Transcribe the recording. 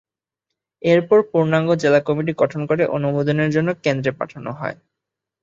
এরপর পূর্ণাঙ্গ জেলা কমিটি গঠন করে অনুমোদনের জন্য কেন্দ্রে পাঠানো হয়।